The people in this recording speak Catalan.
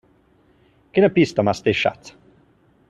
Quina pista m'has deixat?